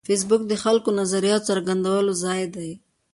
فېسبوک د خلکو د نظریاتو د څرګندولو ځای دی